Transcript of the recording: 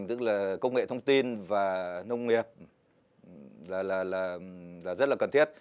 tức là công nghệ thông tin và nông nghiệp rất là cần thiết